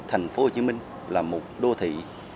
hồ chí minh là một đô thị